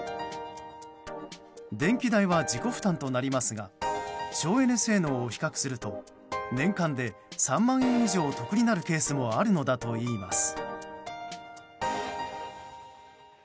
電気代は自己負担となりますが省エネ性能を比較すると年間で、３万円以上得になるケースもあるのだといいます。